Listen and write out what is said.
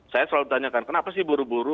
saya selalu tanyakan kenapa sih buru buru